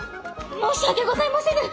申し訳ございませぬ！